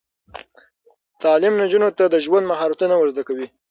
تعلیم نجونو ته د ژوند مهارتونه ور زده کوي.